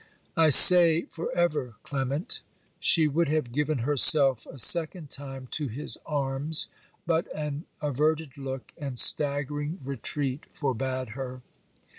'I say for ever, Clement!' She would have given herself a second time to his arms, but an averted look and staggering retreat forbad her.